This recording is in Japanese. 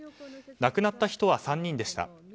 亡くなった人は３人でした。